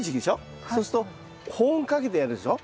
そうすると保温かけてやるでしょ？